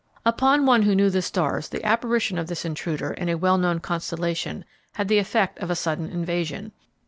Upon one who knew the stars the apparition of this intruder in a well known constellation had the effect of a sudden invasion.